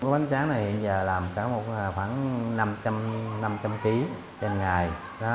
bánh tráng này giờ làm khoảng năm trăm linh kg trên ngày